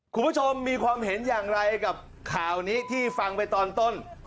คุณผู้ชมมีความเห็นอย่างไรกับข่าวนี้ที่ฟังไปตอนต้น